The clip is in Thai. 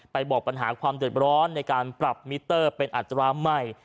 บอกปัญหาความเดือดร้อนในการปรับมิเตอร์เป็นอัตราใหม่